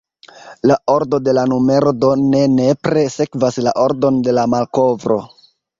La ordo de la numero do ne nepre sekvas la ordon de la malkovro.